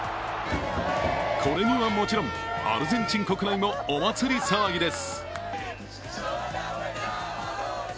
これにはもちろんアルゼンチン国内もお祭り騒ぎです。